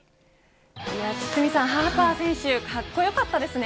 堤さん、ハーパー選手かっこよかったですね。